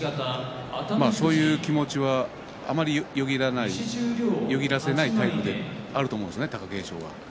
そういう気持ちはあまりよぎらせないタイプであると思いますね貴景勝。